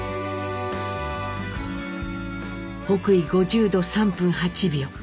北緯５０度３分８秒。